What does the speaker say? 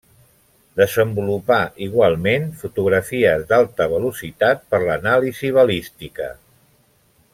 Desenvolupà igualment fotografies d'alta velocitat per l'anàlisi balística.